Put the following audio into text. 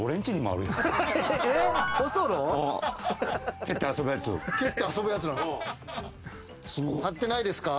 蹴って遊ぶやつなんすか。